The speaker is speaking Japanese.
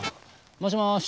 もしもし。